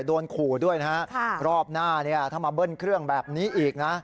โดนขู่ด้วยนะฮะรอบหน้าเนี่ยถ้ามาเบิ้ลเครื่องแบบนี้อีกนะ